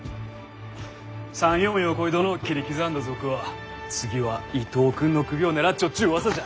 参与ん横井殿を切り刻んだ賊は次は伊藤君の首を狙っちょっちゅううわさじゃ。